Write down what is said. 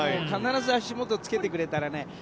必ず足元つけてくれたらね。